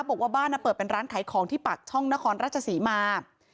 บอกว่าบ้านเปิดเป็นร้านขายของที่ปากช่องนครราชศรีมา